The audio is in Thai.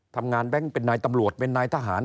แบงค์เป็นนายตำรวจเป็นนายทหาร